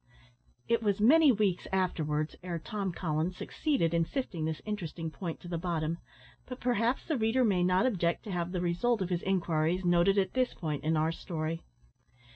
It was many weeks afterwards ere Tom Collins succeeded in sifting this interesting point to the bottom; but perhaps the reader may not object to have the result of his inquiries noted at this point in our story.